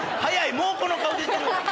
もうこの顔出てる！